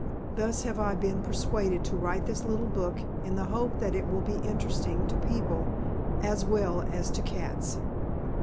Thus have I been persuaded to write this little book in the hope that it will be interesting to people as well as to cats.